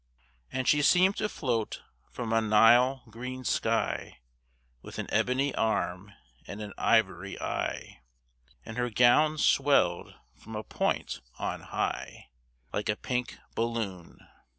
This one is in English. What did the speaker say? And she seemed to float from a Nile green sky, With an ebony arm and an ivory eye, And her gown swelled from a point on high, Like a pink balloon.